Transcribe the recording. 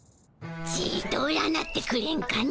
ちと占ってくれんかの。